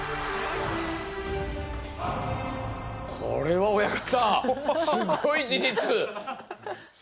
これは親方すごい事実。